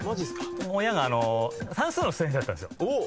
親が算数の先生だったんですよ。